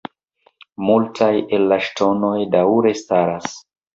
Multaj el la ŝtonoj daŭre staras.